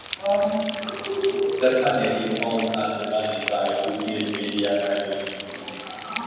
The channel is owned and managed by Goodness Media Private Limited.